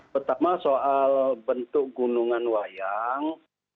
pertama soal bentuk gunungan wayang